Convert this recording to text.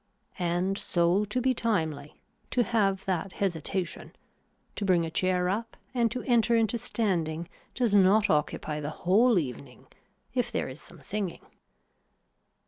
And so to be timely, to have that hesitation, to bring a chair up and to enter into standing does not occupy the whole evening if there is some singing.